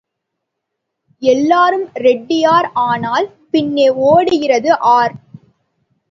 எல்லாரும் ரெட்டியார் ஆனால் பின்னே ஓடுகிறது ஆர்?